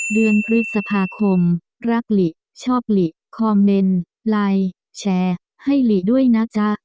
เดือนพฤษภาคมรักหลิชอบหลีคอมเมนต์ไลน์แชร์ให้หลีด้วยนะจ๊ะ